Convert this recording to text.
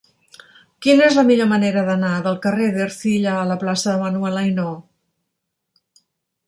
Quina és la millor manera d'anar del carrer d'Ercilla a la plaça de Manuel Ainaud?